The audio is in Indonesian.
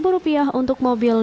rp lima untuk mobil